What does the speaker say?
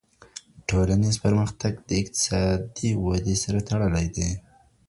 ټولنیز پرمختګ د اقتصادي ودي سره تړلی دی.